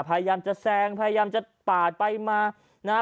พยายามจะแซงพยายามจะปาดไปมานะฮะ